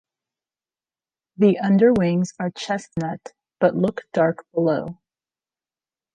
The underwings are chestnut, but look dark below.